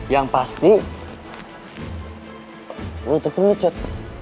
yang pasti lu tetep ngecut